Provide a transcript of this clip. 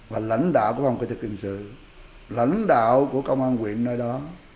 và lãnh đạo của phòng hình sự lãnh đạo của công an quyền nơi đó